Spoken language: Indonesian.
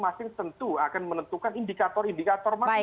masing masing tentu akan menentukan indikator indikator masing masing